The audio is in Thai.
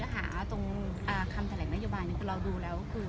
อยากภาคภูมิใจไทยดูแล้ว